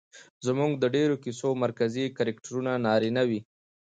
زموږ د ډېرو کيسو مرکزي کرکټرونه نارينه وي